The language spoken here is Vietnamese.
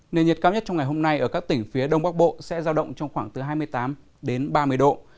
nền nhiệt cao nhất trong ngày hôm nay ở các tỉnh phía đông bắc bộ sẽ giao động trong khoảng từ hai mươi tám đến ba mươi độ